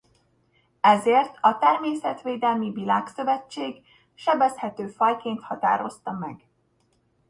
Ezért a Természetvédelmi Világszövetség sebezhető fajként határozta meg.